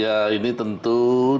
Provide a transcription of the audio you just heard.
ya ini tentu